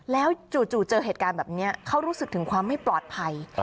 แล้วจู่เจอเหตุการณ์แบบนี้เขารู้สึกถึงความไม่ปลอดภัย